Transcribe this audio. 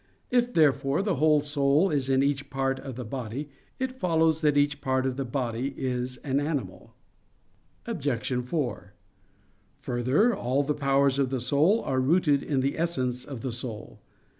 If, therefore, the whole soul is in each part of the body, it follows that each part of the body is an animal. Obj. 4: Further, all the powers of the soul are rooted in the essence of the soul.